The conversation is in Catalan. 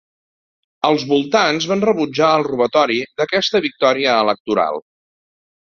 Els votants van rebutjar el robatori d'aquesta victòria electoral.